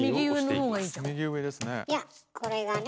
いやこれがね